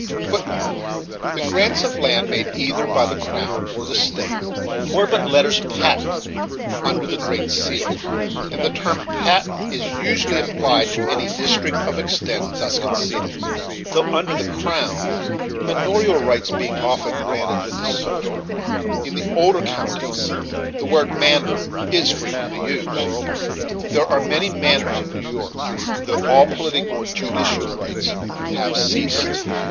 * The grants of land, made either by the crown or the state, were but letters patent under the great seal, and the term "patent" is usually applied to any district of extent thus conceded; though under the crown, manorial rights being often granted with the soil, in the older counties the word "manor" is frequently used. There are many manors in New York though all political and judicial rights have ceased.